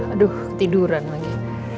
aduh ketiduran lagi